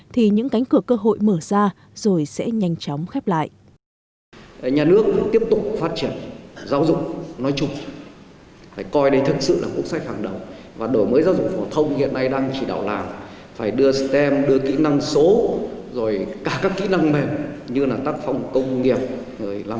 thì những cánh cửa cơ hội mở ra rồi sẽ nhanh chóng khép lại